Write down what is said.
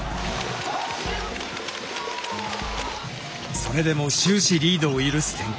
それでも終始リードを許す展開。